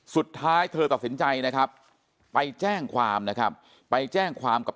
สุดท้ายเธอตัดสินใจนะครับไปแจ้งความนะครับไปแจ้งความกับ